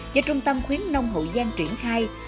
do trung tâm khuyến nông hậu giang triển khai